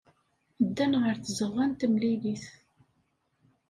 Ddan ɣer tzeɣɣa n temlilit.